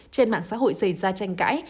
trên mạng xã hội xảy ra tranh cãi